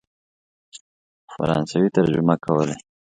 په فرانسوي ترجمه کولې.